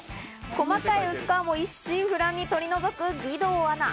細かい薄皮も一心不乱に取り除く義堂アナ。